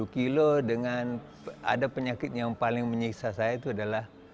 dua puluh kilo dengan ada penyakit yang paling menyiksa saya itu adalah